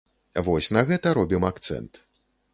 Вось на гэта робім акцэнт.